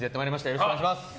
よろしくお願いします。